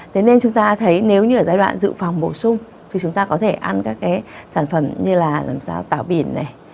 thế nên chúng ta thấy nếu như ở giai đoạn dự phòng bổ sung thì chúng ta có thể ăn các sản phẩm như là làm sao tàu biển